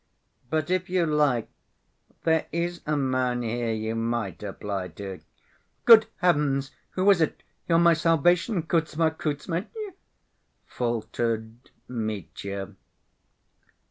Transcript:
But if you like, there is a man here you might apply to." "Good heavens! Who is it? You're my salvation, Kuzma Kuzmitch," faltered Mitya.